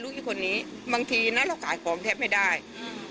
อีกคนนี้บางทีนะเราขายของแทบไม่ได้อืม